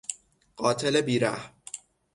قاتل بیرحم